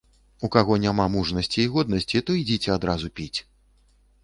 У каго няма мужнасці і годнасці, то ідзіце адразу піць.